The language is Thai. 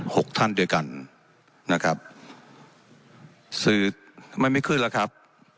หกท่านด้วยกันนะครับสื่อมันไม่ขึ้นแล้วครับ